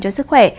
cho sức khỏe